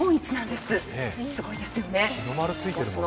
すごいですよね。